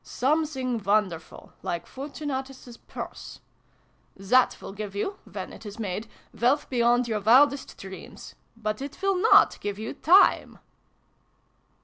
" Something wonderful like Fortunatus's Purse ? That will give you when it is made wealth beyond your wildest dreams : but it will not give you Time